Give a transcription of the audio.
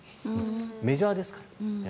メジャーですから。